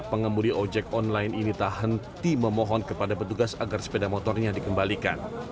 pengemudi ojek online ini tak henti memohon kepada petugas agar sepeda motornya dikembalikan